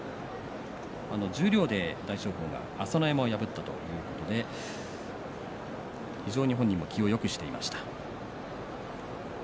十両で大翔鵬が朝乃山を破ったということで非常に本人も気をよくしていました。